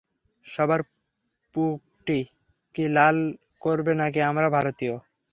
সবার পুকটি কি লাল করবি নাকি আমরা ভারতীয়।